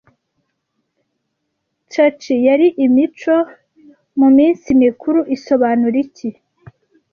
Chachi yari imico muminsi mikuru isobanura iki